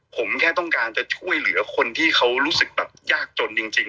ผมแค่ต้องการจะช่วยเหลือคนที่เขารู้สึกแบบยากจนจริง